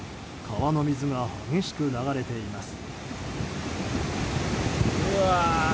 川の水が激しく流れています。